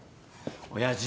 親父。